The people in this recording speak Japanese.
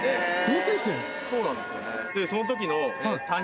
そうなんですよね。